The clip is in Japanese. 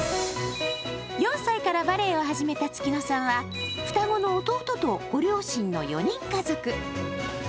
４歳からバレエを始めた月乃さんは双子の弟とご両親の４人家族。